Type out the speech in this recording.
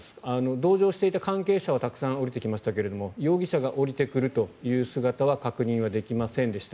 同乗していた関係者はたくさん降りてきましたが容疑者が降りてくる姿は確認ができませんでした。